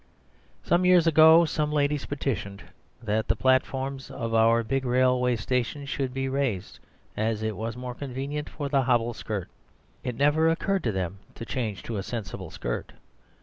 Some years ago some ladies petitioned that the platforms of our big railway stations should be raised, as it was more convenient for the hobble skirt. It never occurred to them to change to a sensible skirt.